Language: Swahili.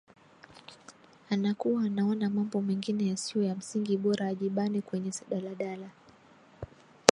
anakuwa anaona mambo mengine yasiyo ya msingi bora ajibane kwenye daladala